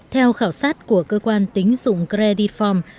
theo khảo sát của cơ quan tính dùng credit form